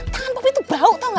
tangan poppy tuh bau tau gak